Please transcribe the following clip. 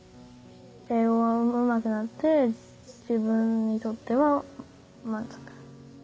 英語もうまくなって自分にとっては満足。